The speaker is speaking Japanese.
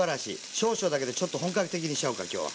少々だけどちょっと本格的にしちゃおうか今日は。